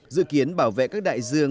dự kiến bảo vệ các đại dương